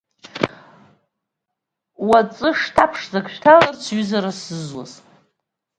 Уаҵә шҭа ԥшӡак шәҭаларц, ҩызара сзызуз.